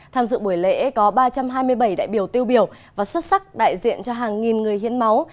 tham dự buổi lễ có ba trăm hai mươi bảy đại biểu tiêu biểu và xuất sắc đại diện cho hàng nghìn người hiến máu